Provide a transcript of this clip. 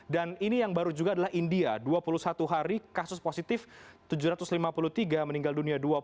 dan ini yang baru juga adalah india dua puluh satu hari kasus positif tujuh ratus lima puluh tiga meninggal dunia dua puluh